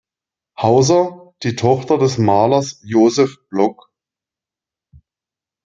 Hauser, die Tochter des Malers Joseph Block.